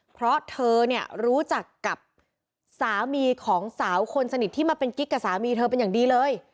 เพราะเธอเนี่ยรู้จักกับสามีของสาวคนสนิทที่มาเป็นกิ๊กกับสามีเธอเป็นอย่างดีเลย